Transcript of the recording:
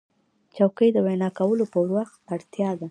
چوکۍ د وینا کولو پر وخت اړتیا ده.